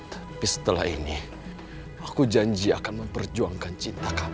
tapi setelah ini aku janji akan memperjuangkan cinta kami